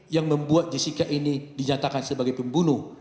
yang membuat jessica ini dinyatakan sebagai pembunuh